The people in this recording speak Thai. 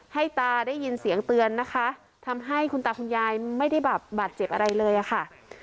ตาได้ยินเสียงเตือนนะคะทำให้คุณตาคุณยายไม่ได้แบบบาดเจ็บอะไรเลยอะค่ะ